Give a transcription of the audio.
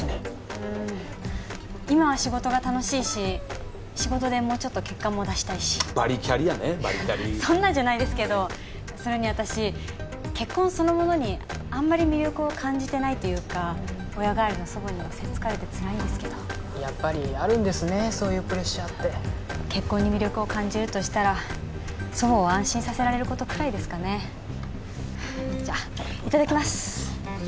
うん今は仕事が楽しいし仕事でもうちょっと結果も出したいしバリキャリやねバリキャリそんなんじゃないですけどそれに私結婚そのものにあんまり魅力を感じてないっていうか親代わりの祖母にはせっつかれてつらいんですけどやっぱりあるんですねそういうプレッシャーって結婚に魅力を感じるとしたら祖母を安心させられることくらいですかねじゃいただきます